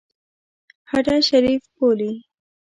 هډه شریف بولي.